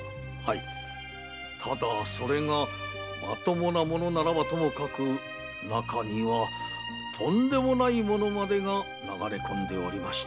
ただそれがまともな物ならばともかく中にはとんでもない物までが流れ込んでおりまして。